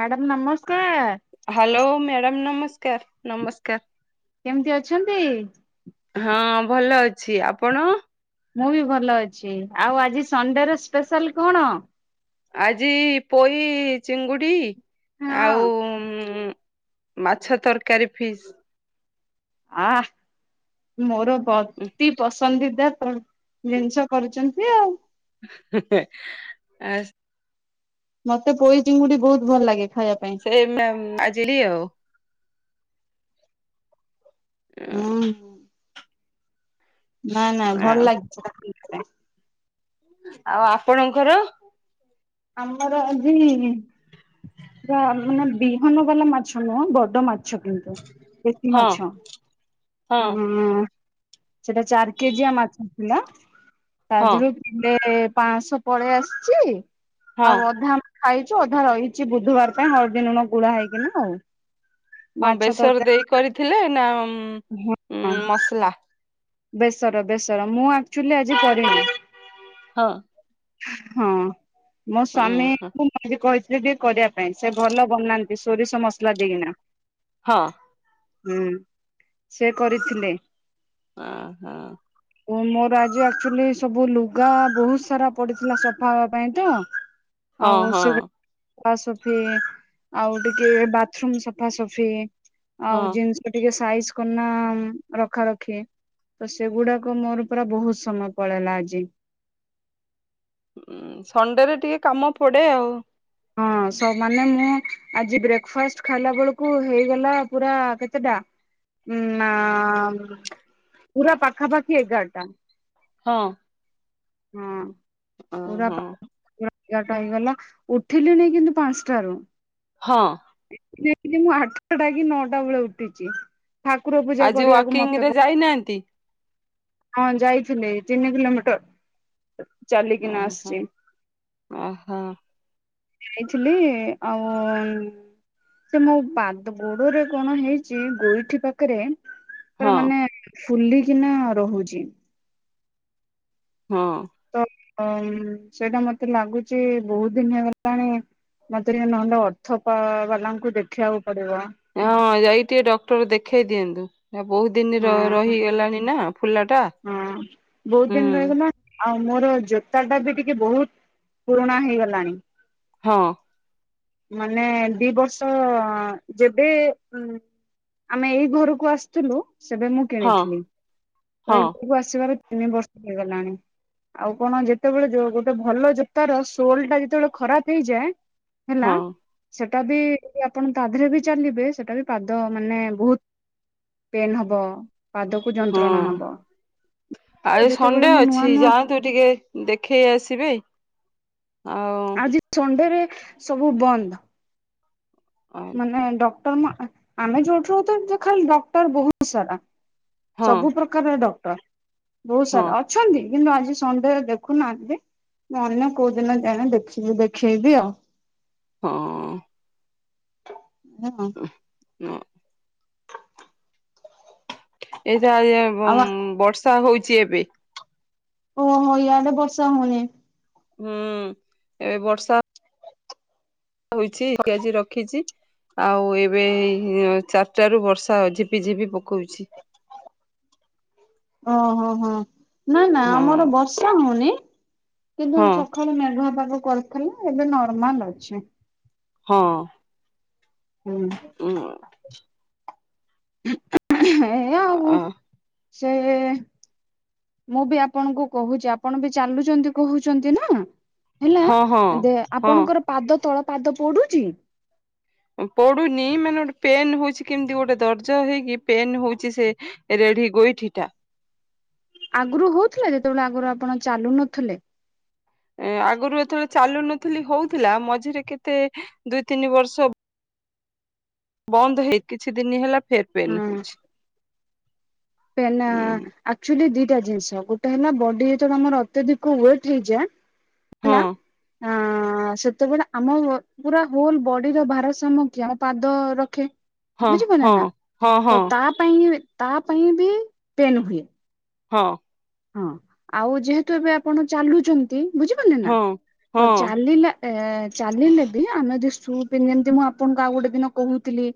Madam ନମସ୍କାର। Hello madam ନମସ୍କାର ନମସ୍କାର। କେମିତି ଅଛନ୍ତି? ହଁ ଭଲ ଅଛି ଆପଣ। ମୁଁ ବି ଭଲ ଅଛି ଆଉ ଆଜି ସଣ୍ଡେରେ ସ୍ପେଶାଲ କଣ? ଆଜି ପୋଇ ଚିଙ୍ଗୁଡି ଆଉ ହଁ। ଉଁ। ମାଛ ତରକାରୀ ଫିସ୍। ଆଃ ମୋର ଅତି ପସ ନ୍ଦି ଦା ଫୁଡ୍ ଜିନିଷ କରୁଛନ୍ତି ଆଉ। ହେ ହେ ଏସ ମତେ ପୋଇ ଚିଙ୍ଗୁଡି ବହୁତ ଭଲ ଲାଗେ ଖାଇଆ ପାଇଁ। ରେ ମ୍ୟାମ ଆଜିଲି ଆଉ। ହୁଁ। ନାଇଁ ନାଇଁ ଭଲ ଆଉ ଲାଗିଚି ସେଟା ପି ଆଉ ଆପଣଙ୍କର। ଆମର ଆଜି। ବା ମାନେ ବିହନ ବାଲା ମାଛ ନୁହଁ ବଡ ମାଛ କିନ୍ତୁ। ଉଁ ଦେଶୀ ହଁ ମାଛ ହଁ ଉଁ ଉଁ ସେଟା ଚାର କେଜିିଆ ମାଛ ଥିଲା ତା ହଁ ଧିରୁ କିଲେ ପାଁଶହ ପଳେଇ ଆସିଚି। ହଁ ଆଉ ଅଧା ଆମେ ଖାଇଚୁ ଅଧା ରହିଚି ବୁଧବାର ପାଇଁ ହଳଦୀ ଲୁଣ ଗୁଳା ହେଇକନା ଆଉ। କ ମାଛ ବେସର ତରକାରୀ ଦେଇ କରିଥିଲେ ନା ଉଁ ଉଁ [inaudible] ଉଁ ମସଲା। ବେସର ବେସର ମୁଁ ଆକଚୁଅଲି ଆଜି କରିନି। ହଁ। ହଁ ମୋ ସ୍ଵାମୀ ହଁ ଙ୍କୁ ମି କହିଥିଲି ଟିକେ କରିଆ ପାଇଁ ସେ ଭଲ ବନାନ୍ତି ସୋରିଷ ମସଲା ଦେଇକିନା। ହଁ। ହୁଁ ସେ କରିଥିଲେ। ଆ ହା। ମୋର ଆଜି ଆକ୍ଚୁଆଲି ସବୁ ଲୁଗା ବହୁତ ସାରା ପଡିଥିଲା ସଫା ହବା ପାଇଁ ତ। ହଁ ଆଉ ହଁ ସେ ସଫା ସଫି ଆଉ ଟିକେ ବାଥରୁମ୍ ସଫାସଫି ଆଉ ହଁ ଜିନିଷ ଟିକେ ସାଇଜ କନା ରଖା ରଖି। ତ ସେଗୁଡାକ ମୋର ପୁରା ବହୁତ ସମୟ ପଳେଇଲା ଆଜି। ଉଁ ସଣ୍ଡେରେ ଟିକେ କାମ ପଡେ ଆଉ। ହଁ ସ ମାନେ ମୁଁ ଆଜି ବ୍ରେକ ଫାଷ୍ଟ ଖାଇଲା ବେଳକୁ ହେଇଗଲା ପୁରା କେତେଟା? ଉଁ ନା ପୁରା ପାଖାପାଖି ଏଗାରଟା। ହଁ। ହଁ ପୁରା ହଁ ପା ଏଗାରଟା ହେଇଗଲା। ଉଥିଲିଣି କିନ୍ତୁ ପାନସଟାରୁ। ହଁ। ଏତିକି ଏତିକି ମୁଁ ଆଠଟା କି ନଅଟା ବେଳେ ଉଠିଛି ଠାକୁର ପୂଜା କରିବାକୁ ମତେ ପାଇନାହାନ୍ତି। ହଁ ଯାଇଥିଲେ ତିନି କିଲୋମିଟର। ଚାଲିକିନା ଓହୋ ଆସିଚି। ଓହୋ ଯାଇଥିଲି ଆଉ ଉଁ ଉଁ ସେ ମୋ ପାଦ ଗୋଡରେ କଣ ହେଇଛି ଗୋଇଠି ପାକରେ? ପୁରା ହଁ ମାନେ ଫୁଲିକିନା ରହୁଚି। ହଁ। ତ ଉଁ ସେଇଟା ମତେ ଲାଗୁଛି ବହୁତ ଦିନ ହେଇଗଲାଣି ମତେ ନହେଲେ ଅର୍ଥ ପା ବାଲାଙ୍କୁ ଦେଖିଆକୁ ପଡିବ। ହଁ ଯାଇ ଟିକେ ଡକ୍ଟର ଦେଖେଇ ଦିଅନ୍ତୁ ଆ ବହୁତ ଦିନ ହଁ ର ରହିଗଲାଣି ନା। ଫୁଲାଟା। ହଁ ବହୁତ ଦିନ ରହିଗଲା। ଆଉ ମୋର ଜୋତା ଟା ବି ଟିକେ ବହୁତ ପୁରୁଣା ହେଇଗଲାଣି। ହଁ। ମାନେ ଦି ବର୍ଷ ଯେବେ ଉଁ ଆମେ ଏଇ ଘରକୁ ଆସିଥିଲୁ ସେବେ ମୁଁ ହଁ କିଣିଥିଲି। ତ ହଁ ଇଘ୍ କୁ ଆସିବାର ତିନି ବର୍ଷ ହେଇଗଲାଣି। ଆଉ କଣ ଯେତେବେଳେ ଯୋଉ ଗୋଟେ ଭଲ ଜୋତା ର ସୋଲ ଟା ଯେତେବେଳେ ଖରାପ ହେଇଯାଏ ହେଲା ହଁ ସେଟା ବି ଆପଣ ତା ଦେହରେ ବି ଚାଲିବେ ସେଟା ବି ପାଦ ମାନେ ବହୁତ ପେନ୍ ହବ, ପାଦକୁ ଯନ୍ତ୍ରଣା ହବ। ତ ଆରେ ଯେତେବେଳେ ସଣ୍ଡେ ମୁଁ ନୂଆ ଅଛି ନୂଆ ଜା ତୁ ଟିକେ ଦେଖେଇ ଆସିବେ। ଆଉ ଆଜି ସଣ୍ଡେରେ ସବୁ ବନ୍ଦ। ହଁ ମାନେ ଡକ୍ଟର ମୁଁ ଆ-ଆମେ ଯୋଉଠୁ ରହୁ ଥୁଲୁ, ଖାଲି ଡକ୍ଟର ବହୁତ ସାରା। ସବୁ ପ୍ରକାରର ଡକ୍ଟର। ବହୁତ ହଁ ସାରା। ଅଛନ୍ତି। କିନ୍ତୁ ଆଜି ସଣ୍ଡେ ରେ ଦେଖୁନାହାଁନ୍ତି। ମୁଁ ଅନ୍ୟ କୋଉ ଦିନ ଯାଏଁ, ଦେଖିବି ଦେଖେଇବି ଆଉ। ହଁ। ହଁ। ହଁ। ଏଇଟା ଅଇଆ ବମ୍ ଆଉ ବର୍ଷା ହଉଚି ଏବେ। ଓହୋ! ୟାଡେ ବର୍ଷା ହଉନି। ହୁଁ, ଏବେ ବର୍ଷା ହୋଇଛି, ଆଜି ରଖିଛି। ଆଉ ଏବେ ଏଇ ଚାରିଟା ରୁ ବର୍ଷା ଝିପି ଝିପି ପକଉଛି। ଓହୋ! ହଁ, ନା ନା ହଁ ଆମର ବର୍ଷା ହଉନି। କିନ୍ତୁ ହଁ ସକା ଳୁ ମେଘୁଆ ପାଗ କରିଥିଲା। ଏବେ ନର୍ମାଲ ଅଛି। ହଁ। ହୁଁ। ଉଁ ଅ। ଏୟା ଆଉ ସେ ମୁଁ ବି ଆପଣଙ୍କୁ କହୁଛି, ଆପଣ ବି ଚାଲୁଛନ୍ତି କହୁଛନ୍ତି ନା। ହେଲା ହଁ ହଁ ଦେ, ହଁ ଆପଣଙ୍କର ପାଦ ତଳ ପାଦ ପୋଡୁଚି? ପୋଡୁନି ମାନେ, ଗୋଟେ ପେନ୍ ହଉଛି। କେମିତି ଗୋଟେ ଦର୍ଜ ହେଇକି ପେନ୍ ହଉଛି ସେ ରେଢି ଗୋଇଠିଟା। ଆଗରୁ ହଉଥିଲା, ଯେତେବେଳେ ଆଗରୁ ଆପଣ ଚାଲୁ ନଥିଲେ। ଆଗରୁ ଯେତେବେଳେ ଚାଲୁ ନଥିଲି ହଉଥିଲା, ମଝିରେ କେତେ ଦୁଇ ତିନି ବର୍ଷ ବନ୍ଦ ହେଇ କିଛି ଦିନ ହେଲା ଫେର୍ ଫେନ୍ ହଉଛି। ପେନେ-ଏ ହୁଁ ଆକ୍ଚୁଲି ଦିଟା ଜିନିଷ, ଗୋଟେ ହେଲା ବଡି ଯେତେବେଳେ ଆମର ଅତ୍ୟଧିକ ୱେଟ୍ ହେଇଯା ହେଲା ହଁ ଆଁ-ଆ ସତେବେଳେ ଆମ ପୁରା ହୋଲ ବଡିର ଭାରସାମ୍ୟ କିଏ! ଆମ ପାଦ ରଖେ। ହଁ ବୁଝି ପାଇଲ ନା। ହଁ ତ ହଁ ତା, ପାଇଁ ତା ପାଇଁ ବି ପେନ୍ ହୁଏ। ହଁ। ହଁ, ଆଉ ଯେହେତୁ ଏବେ ଆପଣ ଚାଲୁଛନ୍ତି। ବୁଝିପାରିଲେ ନା, ହଁ ହଁ ହଁ ତ ଚାଲିଲା ଏ ଚାଲିଲେ ବି ଆମେ ଯେ ସୁ ପି, ଯେମିତି ମୁଁ ଆପଣଙ୍କୁ ଆଉ ଗୋଟେ ଦିନ କହୁଥିଲି।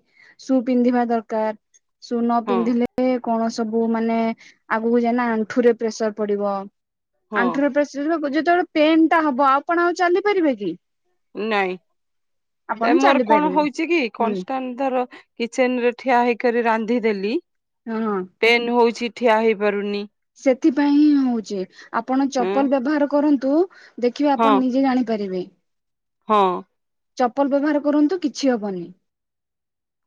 ସୁ ପିନ୍ଧିବା ଦରକାର। ସୁ ନ ହଁ ପିନ୍ଧିଲେ କଣ ସବୁ ମାନେ, ଆଗକୁ ଯାଇନା ଆଣ୍ଠୁରେ ପ୍ରେସର ପଡିବ। ହଁ ଆଣ୍ଠୁ ରେ ପ୍ରେସର [unintelligible] ଯେତେବେଳେ ପେନ୍ ଟା ହବ, ଆପଣ ଆଉ ଚାଲି ପାରିବେ କି? ନାଇଁ, ଆପଣ ମୋର ଚାଲି କଣ ପାରିବେ ହଉଛି କି ହୁଁ କନଷ୍ଟାନ୍ ଧର କିଚେନ୍ ରେ ଠିଆ ହେଇକରି ରାନ୍ଧିଦେଲି। ହଁଁ। ପେନ୍ ହଉଛି ଠିଆ ହେଇପାରୁନି। ସେଥିପାଇଁ ହିଁ ହଉଛି। ଆପଣ ଉଁ ଚପଲ ବ୍ୟବହାର କରନ୍ତୁ ଦେଖିବେ ହଁ ଆପଣ ନିଜେ ଜାଣିପାରିବେ। ହଁ। ଚପଲ ବ୍ୟବହାର କରନ୍ତୁ, କିଛି ହବନି।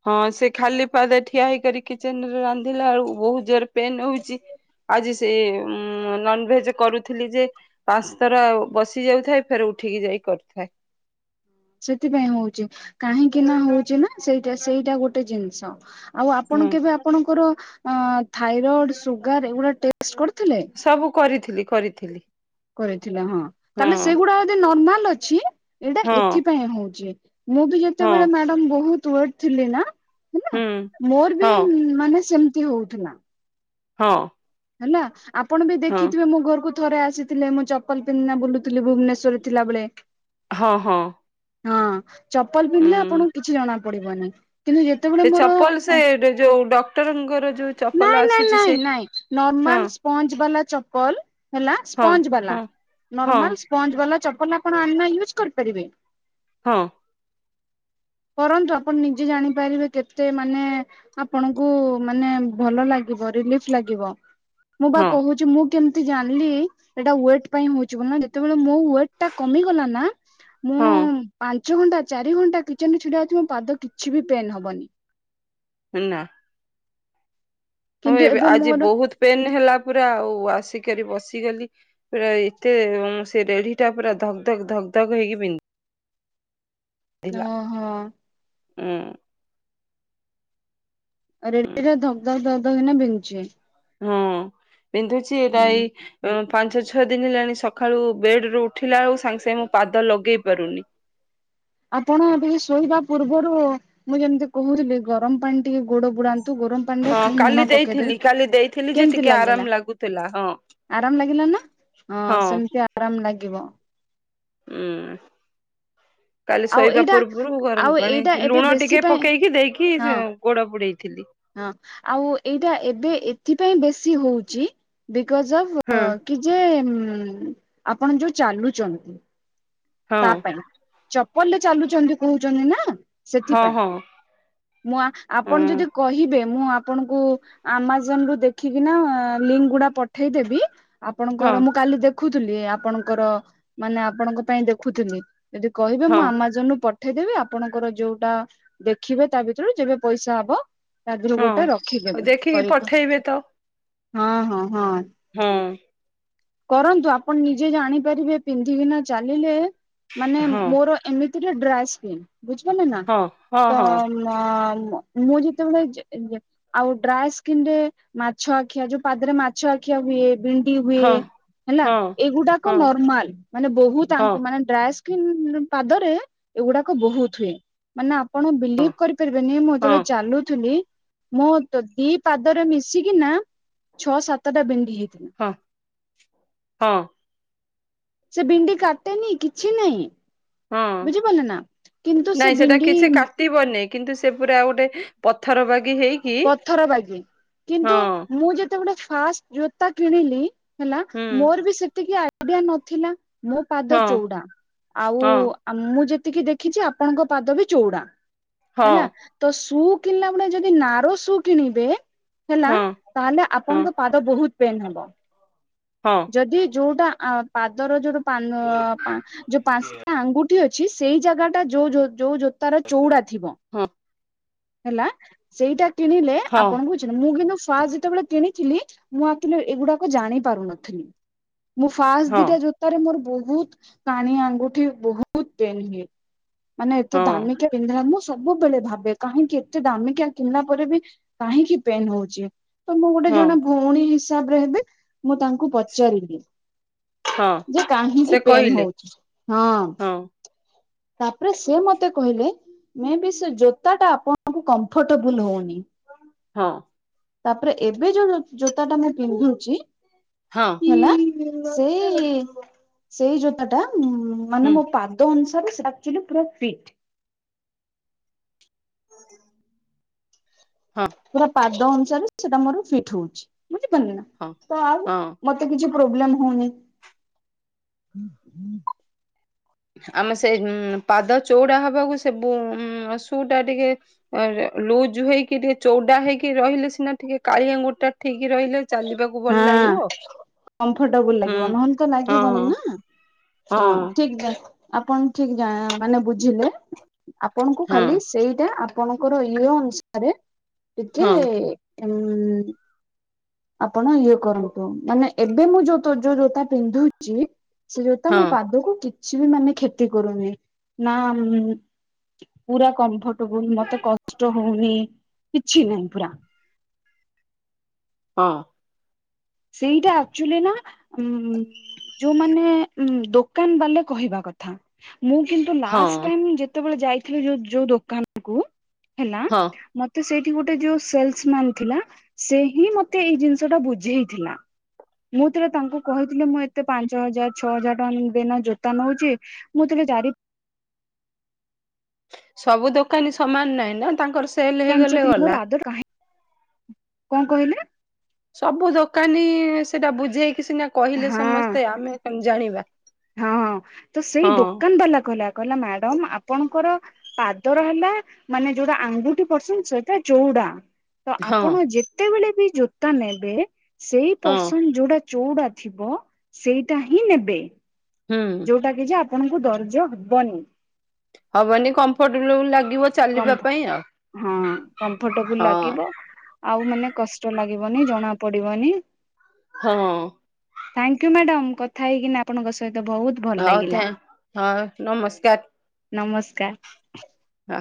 ହଁ, ସେ ଖାଲି ପାଦେ ଠିଆ ହେଇକି କିଚେନ୍ ରେ ରାନ୍ଧିଲା ଅଳକୁ ବହୁତ ଜୋର ପେନ୍ ହଉଚି। ଆଜି ସେ ନନ୍ ଭେଜ କରୁଥିଲି ଯେ ପାଞ୍ଚ ଥର ବସି ଯାଉଥାଏ। ଫେରେ ଉଠିକି ଯାଇକି କରୁଥାଏ। ସେଥିପାଇଁ ହଉଚି। କାହିଁକି ନା ହଉଚି ନା ସେଇଟା ସେଇଟା ଗୋଟେ ଜିନିଷ। ଆଉ, ଆପଣ ହଁ କେବେ ଆପଣଙ୍କର ଥାଇରଡ୍, ସୁଗାର ଏଗୁଡା ଟେଷ୍ଟ କରିଥିଲେ? ସବୁ କରିଥିଲି କରିଥିଲି। କରିଥିଲେ ହଁ, ହଁ ତାହେଲେ ସେଗୁଡା ଯଦି ନର୍ମାଲ ଅଛି ଏଇଟା ହଁ ଏଥିପାଇଁ ହଉଛି। ମୁଁ ବି ହଁ ଯେତେବେଳେ ମ୍ୟାଡମ୍ ବୋହୁତ୍ ୱେଟ୍ ଥିଲି ନା ହେଲା। ହୁଁ ମୋର ବି ହଁ ମାନେ ସେମିତି ହୋଉଥିଲା। ହଁ। ହେଲା। ଆପଣ ବି ହଁ ଦେଖିଥିବେ ମୁଁ ଘରକୁ ଥରେ ଆସିଥିଲେ, ମୁଁ ଚପଲ୍ ପିନ୍ଧିନା ବୁଲୁଥିଲି ଭୁବନେଶ୍ଵରରେ ଥିଲାବେଳେ। ହଁ ହଁ। ହଁ ଚପଲ୍ ପିନ୍ଧିଲେ ଉଁ ଆପଣଙ୍କୁ କିଛି ଜଣା ପଡିବନି। କିନ୍ତୁ ଯେ ସେ ଚପଲ୍ ସେ ଡେ- ଯୋଉ ଡକ୍ଟରଙ୍କର ଯୋଉ ନାଇଁ, ଚପଲ ନାଇଁ, ଆସୁଛି ନାଇଁ, ସେ ନାଇଁ ହଁ ନର୍ମାଲ ସ୍ପଞ୍ଜ ବାଲା ଚପଲ୍ ହେଲା ହଁ ସ୍ପଞ୍ଜ ବାଲା। ହଁ ହଁ ନର୍ମାଲ୍ ସ୍ପଞ୍ଜ ବାଲା ଚପଲ, ଆପଣ ଆଣିନେ ୟୁଜ୍ କରିପାରିବେ। ହଁ। [unintelligible] କରନ୍ତୁ। ଆପଣ ନିଜେ ଜାଣିପାରିବେ କେତେ ମାନେ ଆପଣଙ୍କୁ ମାନେ ଭଲ ଲାଗିବ ରିଲିଫ୍ ଲାଗିବ। ମୁଁ ବା ହଁ କହୁଛି ମୁଁ କେମିତି ଜାଣିଲି ସେଇଟା ୱେଟ୍ ପାଇଁ ହୋଉଛି ବୋଲି। ଯେତେବେଳେ ମୋ ୱେଟ୍ ଟା କମିଗଲା ନା ମୁଁ ହଁ। ପାଞ୍ଚ ଘଣ୍ଟା ଚାରି ଘଣ୍ଟା କିଚେନ୍ ରେ ଛିଡା ହେଇଥିବି ମୋ ପାଦ କିଛି ବି ପେନ୍ ହବନି। ହେ ନା। ହଁ କିନ୍ତୁ ଏବେ ଆଜି ମୋର ବହୁତ ପେନ୍ ହେଲା ପୁରା ଆଉ ଆସିକେରି ବସିଗଲି। ପୁରା ଏତେ ସେ ରେଢି ଟା ପୁରା ଧକ୍ ଧକ୍, ଧକ୍ ଧକ୍ ହେଇକି ବିନ୍ ଅ ହ ଉଁ। ରେଡିରେ ଧକ୍ ଧକ୍ ଧକ୍ ହେଇକିନା ବିନ୍ଧୁଚି। ହଁ ବିନ୍ଧୁଛି ଏଇରା ଏଇ ହୁଁ ପାଞ୍ଚ ଛଅ ଦିନ୍ ହେଲାଣି, ସଖାଳୁ ବେଡ୍ ରୁ ଉଠିଲା ବେଳୁ କୁ ସାଙ୍ଗେ ସାଙ୍ଗେ ମୁଁ ପାଦ ଲଗେଇ ପାରୁନି। ଆପଣ ଟିକେ ଶୋଇବା ପୂର୍ବରୁ ମୁଁ ଯେମିତି କହୁଥିଲି, ଗରମ ପାଣି ଟିକେ ଗୋଡ ବୁଡାନ୍ତୁ ଗରମ ପାଣିରେ ହଁ ଖାଲି କାଲି ଲୁଣ ପକେଇଦେବେ। ଦେଇଥିଲି, କାଲି ଦେଇଥିଲି ଯେ କେମିତି ଟିକେ ଲାଗିଲା ଆରାମ ଲାଗୁଥିଲା ହଁ। ଆରାମ ଲାଗିଲା ନା? ହଁ ସେମିତି ଆରାମ ଲାଗିବ। ହୁଁ। କାଲି ଆଉ ଶୋଇବା ଏଇଟା ପୂର୍ବରୁ ଗରମ ଆଉ ପାଣି, ଏଇଟା ଏବେ ଲୁଣ ବେଶୀ ଟିକେ ପାଇଁ ପକେଇକି ଦେଇକି ହଁ ଗୋଡ ବୁଡେଇଥିଲି। ହଁ ଆଉ ଏଇଟା ଏବେ ଏଥିପାଇଁ ବେଶୀ ହଉଛି, ବିକଜ ଅଫ୍ ହଁ। କି ଯେ ଆପଣ ଯୋଉ ଚାଲୁଚନ୍ତି ହଁ ତା ପାଇଁ ଚପଲ୍ ରେ ଚାଲୁଚନ୍ତି କହୁଛନ୍ତି ନା ହଁ ସେଥିପାଇଁ। ହଁ ମୁଁ ଆପଣ ଯଦି କହିବେ ମୁଁ ଆପଣଙ୍କୁ ଆମାଜନ୍ ରୁ ଦେଖିକିନା ଲିଙ୍କ୍ ଗୁଡା ପଠେଇ ଦେବୀ ହଁ ଆପଣଙ୍କର ମୁଁ କାଲି ଦେଖୁଥିଲି ଆପଣଙ୍କର ମାନେ ଆପଣଙ୍କ ପାଇଁ ଦେଖୁଥିଲି ଯଦି କହିବେ ହଁ ମୁଁ ଆମାଜନ୍ ରୁୁ ପ ପଠେଇଦେବି ଆପଣଙ୍କର ଯୋଉଟା ଦେଖିବେ ତା ଭିତରୁ ଯେବେ ପଇସା ହବ ତା ଦେହରୁ ହଁ ଗୋଟେ ହଁ। ରଖିଦେବେ ଦେଖିକି କରିକି। ପଠେଇବେ ତ ହଁ ହଁ ହଁ। ହଁ। କରନ୍ତୁ ଆପଣ ନିଜେ ଜାଣିପାରିବେ ପିନ୍ଧିକିନା ଚାଲିଲେ। ମାନେ ହଁ ମୋର ଏମିତିକା ଡ୍ରାଏ ସ୍କିନ୍ ବୁଝିପରିଲେନା, ହଁ ହଁ ତ ହଁ ଅଁ ମୁଁ ଯେତେବେଳେ, ଯେ-ଯେ ଆଉ ଡ୍ରାଏ ସ୍କିିନ ରେ ମାଛ ଆଖିଆ, ଯୋଉ ପାଦରେ ମାଛ ଆଖିଆ ହୁଏ ବିଣ୍ଡି ହୁଏ, ହଁ ହେଲା ହଁ। ଏଗୁଡାକ ହଁ ନର୍ମାଲ, ମାନେ ବୋହୁତ୍ ହଁ ଆଙ୍କ ମାନେ ଡ୍ରାଏ ସ୍କି ନ୍, ପାଦରେ ଏଗୁଡାକ ବୋହୁତ୍ ହୁଏ। ମାନେ ଆପଣ ହଁ ବିଲିବ୍ କରିପାରିବେନି, ମୁଁ ହଁ ଯେତେବେଳେ ଚାଲୁଥିଲି ମୋ ତ ଦି ପାଦରେ ମିଶିକି ନା ଛଅ ସାତଟା ବେଣ୍ଡି ହେଇଥିଲା। ହଁ ହଁ। ସେ ବିଣ୍ଡି କାଟେନି କିଛି ନାହିଁ? ହଁ ବୁଝିପାରିଲେ ନା କିନ୍ତୁ ନାଇଁ ସେ ସେଇଟା ବିଣ୍ଡି କିଛି କା ଟିବନି କିନ୍ତୁ ସେ ପୁରା ଆଉ ଗୋଟେ ପଥର ବାଗି ହେଇ ପଥର ବାଗି! କିନ୍ତୁ ମୁଁ ଯେତେବେଳେ ଫାଷ୍ଟ ଜୋତା କିଣିଲି ହେଲା ହୁଁ ମୋର ବି ସେତିକି ଆଇଡିଆ ନଥିଲା ମୋ ପାଦ ହଁ ଚଉଡା ଆଉ ହଁ ଆଉ ମୁଁ ଯେତିକି ଦେଖିଛି ଆପଣଙ୍କ ପାଦ ବି ଚଉଡା ହଁ ହେଲା। ତ ସୁଉ କିଣିଲା ବେଳେ ଯଦି ନାରୋ ସୁଉ କିଣିବେ ହେଲା ହଁ ତାହେଲେ ହଁ ଆପଣଙ୍କ ପାଦ ବହୁତ ପେନ୍ ହବ। ହଁ। ଯଦି ଯୋଉଟା ଆ ପାଦର ଯୋଉଟା ପାନ ପା ଯୋଉ ପାଞ୍ଚଟା ଆଙ୍ଗୁଠି ଅଛି ସେଇ ଜାଗାଟା ଯୋଉ ଯୋଉ ଯୋଉ ଜୋତାର ଚୌଉଡା ଥିବ ହଁ। ହେଲା ସେଇଟା କିଣିଲେ ହଁ ଆପଣଙ୍କୁ ମୁଁ କିନ୍ତୁ ଫାଷ୍ଟ ଯେତେବେଳେ କିଣିଥିଲି ମୁଁ ଆକଚୁଆଲି ଏଗୁଡାକ ଜାଣି ପାରୁନଥିଲି। ମୁଁ ଫାଷ୍ଟ ହଁ ଦିଟା ଜୋତାରେ ମୋର ବହୁତ କାଣି ଆଙ୍ଗୁଠି ବହୁତ ପେନ ହୁଏ। ମାନେ ଏତେ ହଁ। ଦାମିକିଆ ପିନ୍ଧିବା ମୁଁ ସବୁବେଳେ ଭାବେ କାହିଁକି ଏତେ ଦାମିକିଆ କିଣିଲା ପରେ ବି କାହିଁକି ପେନ୍ ହଉଛି ତ ମୁଁ ଗୋଟେ ହଁ ଜଣେ ମୋ ଭଉଣୀ ହିସାବରେ ହେବେ ମୁଁ ତାଙ୍କୁ ପଚାରିଲି ହଁ ଯେ କାହିଁକି ସେ ପେନ୍ କହିଲେ ହଉଛି? ହଁ। ତାପରେ ସେ ମତେ କହିଲେ ମେ ବି ସେ ଜୋତ୍ ତା ଟା ଆପଣଙ୍କୁ କମ୍ଫର୍ଟେବୁଲ ହଉନି। ହଁ। ତାପରେ ଏବେ ଯୋଉ ଜୋ ଜୋତା ଟା ମୁଁ ପିନ୍ଧୁଛି ହଁ। ହେଲା ସେଇ ସେଇ ଜୋତାଟା ଉଁ ହୁଁ ମାନେ ମୋ ପା ଦ ଅନୁସାରେ ସେଇଟା ଆକଚୁଆଲି ପୁରା ଫିଟ ହଁ ପୁରା ପାଦ ଅନୁସାରେ ସେଟା ମୋର ଫିଟ୍ ହଉଛି ବୁଝିପାରିଲେ ନା ହଁ। ତ ଆଉ ହଁ ମତ ତ କିଛି ପ୍ରୋବ୍ଲେମ ହଉନି ଆମେ ସେ ଉଁ ପାଦ ଚଉଡା ହବାକୁ ସେବୁ ଉଁ ସୁଉଟା ଟିକେ [unintelligible] ଲୁଜ ହେଇକି ଟିକେ ଚଉଡା ହେଇକି ରହିଲେ ସିନା ଟିକେ କାଣୀ ଆଙ୍ଗୁଟି ଟା ଠିକ ରହିଲେ ଚାଲିବାକୁ ଭଲ ହଁ ଲାଗିବ। କମ୍ଫର୍ଟେବୁଲ ହୁଁ ଲାଗିବ ନହଲେ ତ ଲାଗିବନି ହଁ ନା ହଁ ଠିକ ଦେ ଆପଣ ଠିକ ଜା ମାନେ ବୁଝିଲେ ଆପଣଙ୍କୁ ହଁ ଖାଲି ସେଇଟା ଆପ ଆପଣଙ୍କର ଇଏ ଅନୁସାରେ ଟିକେ ହଁ ଉଁ ଆପଣ ଇଏ କରନ୍ତୁ ମାନେ ଏବେ ମୁଁ ଯୋଉ ତୋ ଯୋଉ ଜୋତା ପିନ୍ଧୁଛି ସେ ଜୋତା ହଁ ମୋ ପାଦକୁ କିଛି ବି ମାନେ କ୍ଷତି କରୁନି ନା ଉଁ ପୁରା କମ୍ଫର୍ଟବୁଲ ମତେ କଷ୍ଟ ହଉନି କିଛି ନାହିଁ ପୁରା ହଁ। ସେଇଟା ଆକଚୁଆଲି ନା ଉଁ ଯୋଉମାନେ ଉଁ ଦୋକାନ ବାଲା କହିବା କ ଥା ମୁଁ କିନ୍ତୁ ଲାଷ୍ଟ୍ ହଁ ଟାଇମ୍ ଯେତେବେଳେ ଯାଇଥିଲି ଯୋଉ ଯୋଉ ଦୋକାନ କୁ ହେଲା ହଁ। ମତେ ସେଇଠି ଗୋଟେ ଯୋଉ ସେଲସ ମ୍ୟାନ ଥିଲା ସେ ହିଁ ମତେ ଏଇ ଜିନିଷଟା ବୁଝେଇ ଥିଲା। ମୁଁ ଥରେ ତାଙ୍କୁ କହିଥିଲି ମୁଁ ଏତେ ପାଞ୍ଚ ହଜାର ଛଅ ହଜାର ଟଙ୍କା ଦେଇନା ଜୋତା ନଉଛି ମୁଁ ତ [unintelligible] ସବୁ ଦୋକାନୀ ସମାନ ନାଇଁ ନା ତାଙ୍କର ସେଲ ପାଞ୍ଚ ହେଇଗଲେ କିଲୋ ମୋର ଗଲା। ଆଦର କଣ କହିଲେ? ସବୁ ଦୋକାନୀ ସେଇଟା ବୁଝେଇକି ସିନା କହିଲେ ହଁ ସମସ୍ତେ ଆମେ କେମିତି ଜାଣିବା? ହଁ ତ ସେଇ ହଁ ଦୋକଣ୍ଟା ହାଲା କହିଲା କହିଲା ମ୍ୟାଡମ ଆପଣଙ୍କର ପାଦର ହେଲା ମାନେ ଯୋଉଟା ଆଙ୍ଗୁଠି ପଡସନ ସେଇଟା ଚୋଉଡା। ତ ହଁ ଆପଣ ଯେତେବେଳେ ବି ଜୋତା ନେବେ ସେଇ ହଁ ପର୍ସନ ଯୋଉଟା ଚୋଉଡା ଥିବ ସେଇଟା ହିଁ ନେବେ। ହୁଁ ଯୋଉଟା କି ଯେ ଆପଣଙ୍କୁ ଦୈର୍ଯ୍ୟ ହବନି। ହବନି କମ୍ଫର୍ଟେବଲ ଲାଗିବ ଚାଲିବା କମ୍ଫ ପାଇଁ ଆଉ ହଁ କମ୍ଫର୍ଟେବୁଲ ଲାଗିବ। ଆଉ ମାନେ କଷ୍ଟ ଲାଗିବନି ଜଣା ପଡିବନି। ହଁ। ଥ୍ୟାଙ୍କୟୁ ମ୍ୟାଡ଼ମ କଥା ହେଇକିନା ଆପଣଙ୍କ ସହିତ ବହୁତ ଭଲ ହଉ ଲାଗିଲା ଥ୍ୟା ହଁ ନମସ୍କାର। ନମସ୍କାର। ହଁ।